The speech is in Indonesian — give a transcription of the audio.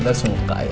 ntar semua kaya